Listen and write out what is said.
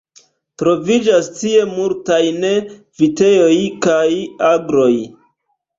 Troviĝas tie multajn vitejoj kaj agroj.